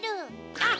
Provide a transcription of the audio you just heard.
あっ！